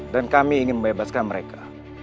dan kami ingin membebaskan mereka